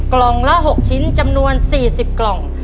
กล่องละหกชิ้นจำนวนสี่สิบกล่อง